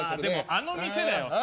でもあの店だよ。